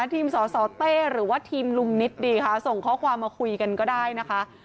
ทีมสสเต้หรือว่าทีมลุงนิดดีค่ะส่งข้อความมาคุยกันก็ได้นะคะ